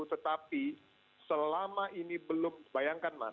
tetapi selama ini belum bayangkan mas